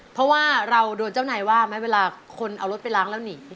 เพราะว่าเราโดนเจ้านายว่าไหมเวลาคนเอารถไปล้างแล้วหนี